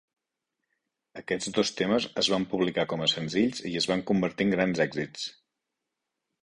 Aquests dos temes es van publicar com a senzills i es van convertir en grans èxits.